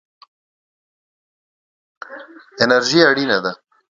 انرژي اړینه ده.